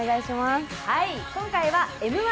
今回は「Ｍ−１」